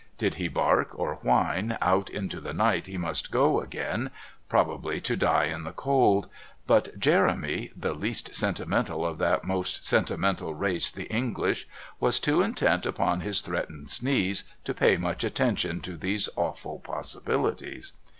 Did he bark or whine, out into the night he must go again, probably to die in the cold. But Jeremy, the least sentimental of that most sentimental race the English, was too intent upon his threatened sneeze to pay much attention to these awful possibilities.